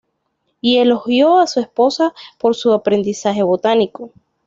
Y elogió a su esposa por su aprendizaje botánico.